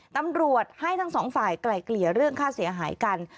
ตำรวจให้ทั้งสองฝ่ายไกลเกลี่ยเรื่องค่าเสียหายกัน